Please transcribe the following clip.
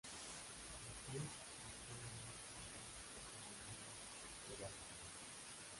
El club dispone de un equipo femenino de balonmano.